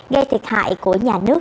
gây thiệt hại của nhà nước